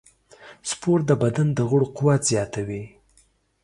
سپورت د بدن د غړو قوت زیاتوي.